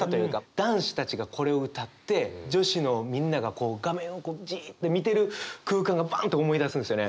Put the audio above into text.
男子たちがこれを歌って女子のみんなが画面をじっと見てる空間がバンと思い出すんですよね。